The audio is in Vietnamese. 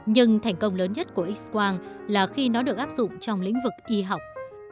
nhưng thành công lớn nhất của x quang là khi nó được áp dụng trong lĩnh vực y học